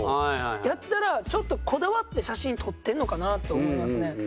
やったらちょっとこだわって写真撮ってるのかなと思いますね。